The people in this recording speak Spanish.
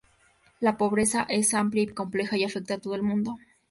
La pobreza es amplia y compleja y afecta a todo el mundo.